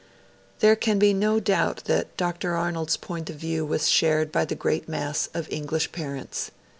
There can be no doubt that Dr. Arnold's point of view was shared by the great mass of English parents.